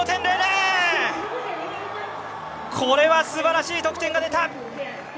これはすばらしい得点が出た！